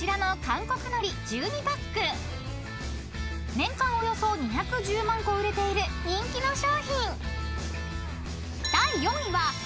［年間およそ２１０万個売れている人気の商品］